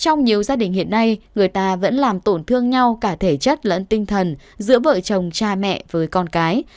trong nhiều gia đình hiện nay người ta vẫn làm tổn thương nhau cả thể chất lẫn tinh thần giữa vợ chồng cha mẹ với con cái